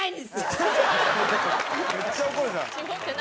めっちゃ怒るじゃん。